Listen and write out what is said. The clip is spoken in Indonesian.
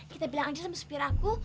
kita bilang aja sama sepir aku